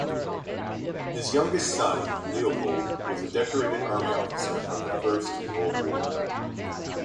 His youngest son, Leopold, was a decorated Army officer of the First World War.